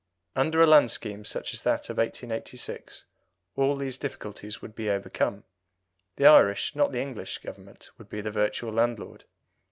Under a land scheme such as that of 1886, all these difficulties would be overcome. The Irish, not the English, Government would be the virtual landlord.